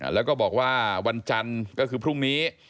แล้วก็บอกว่าวันจันทร์ก็คือพรุ่งนี้